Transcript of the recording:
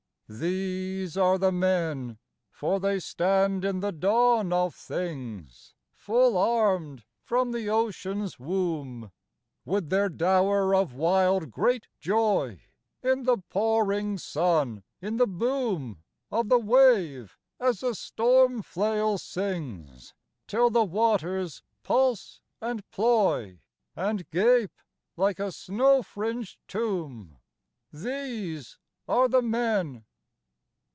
These are the men ! For they stand in the dawn of things Full armed from the ocean's womb; With their dower of wild great joy In the pouring sun, in the boom 14 THE NORSEMEN Of the wave as the storm flail sings, Till the waters pulse and ploy And gape like a snow fringed tomb ; These are the men